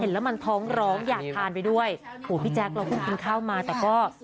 แล้วมันท้องร้องอยากทานไปด้วยโหพี่แจ๊คเราเพิ่งกินข้าวมาแต่ก็